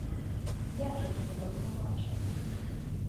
Як я тебе давно бачила.